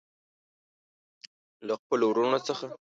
له خپلو وروڼو څخه.